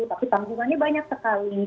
tapi tanggungannya banyak sekali